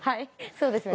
そうですよね。